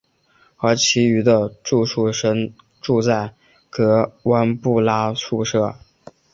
而其余的住宿生住在格湾布拉宿舍。